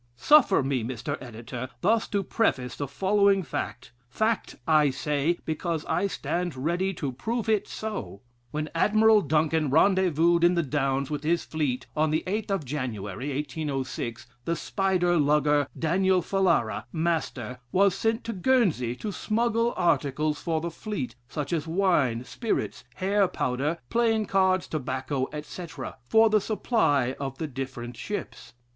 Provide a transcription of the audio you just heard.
"Suffer me, Mr. Editor, thus to preface the following fact; fact, I say, because I stand ready to prove it so. "When Admiral Duncan rendezvoused in the Downs with his fleet, on the 8th of January, 1806, the Spider lugger, Daniel Falara, master, was sent to Guernsey to smuggle articles for the fleet, such as wine, spirits, hair powder, playing cards, tobacco, etc., for the supply of the different ships.